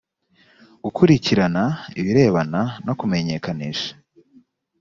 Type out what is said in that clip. gukurikirana ibirebana no kumenyekanisha